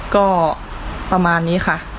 ก็ประมาณนี้ค่ะ